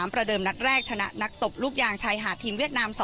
ประเดิมนัดแรกชนะนักตบลูกยางชายหาดทีมเวียดนาม๒